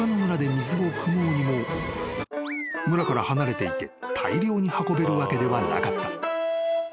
［村から離れていて大量に運べるわけではなかった］